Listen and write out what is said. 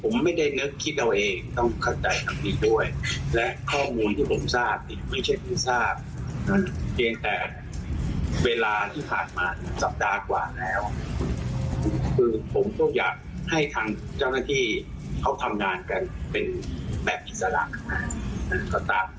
คือผมก็อยากให้ทางเจ้าหน้าที่เขาทำงานกันเป็นแบบอิสระ